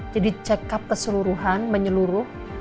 jadi check up keseluruhan menyeluruh